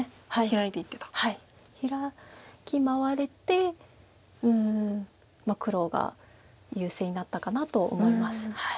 ヒラキに回れてうん黒が優勢になったかなと思います。